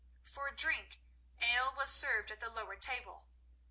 For drink, ale was served at the lower table.